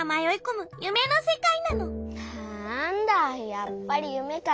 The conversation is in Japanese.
やっぱりゆめか。